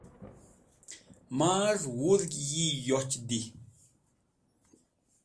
maz̃h wudg yi yoch di